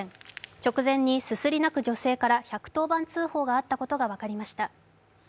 直前にすすり泣く女性から１１０番通報があったことが分かりました。